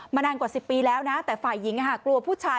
นานกว่า๑๐ปีแล้วนะแต่ฝ่ายหญิงกลัวผู้ชาย